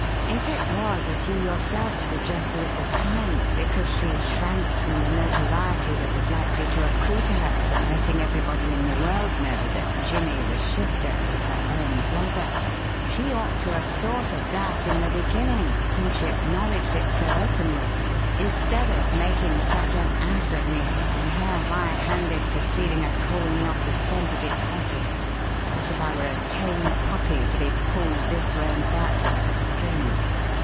If it was as you yourself suggested at the time, because she shrank from the notoriety that was likely to accrue to her from letting everybody in the world know that 'Jimmy the Shifter' was her own brother, she ought to have thought of that in the beginning when she acknowledged it so openly instead of making such an ass of me by her high handed proceeding of calling me off the scent at its hottest, as if I were a tame puppy to be pulled this way and that with a string.